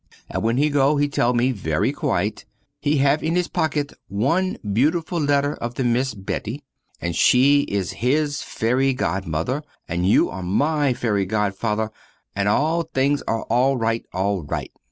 And when he go, he tell me, very quiet, he have in his pocket one beautiful letter of the miss Betty. And she is his ferry godmother, and you are my ferry godfather and all things are al rite, al rite!